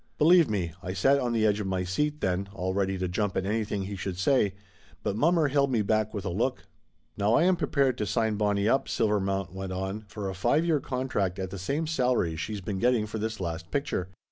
Believe me, I sat on the edge of my seat then, all ready to jump at anything he should say. But mommer held me back with a look. "Now. I am prepared to sign Bonnie up," Silver mount went on, "for a five year contract at the same salary she's been getting for this last picture.